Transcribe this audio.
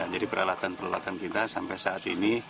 jadi peralatan peralatan kita sampai saat ini